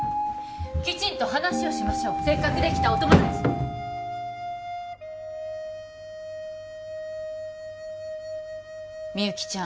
きちんと話をしましょうせっかくできたお友達みゆきちゃん